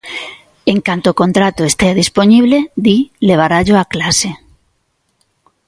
En canto o contrato estea dispoñible, di, levarallo á clase.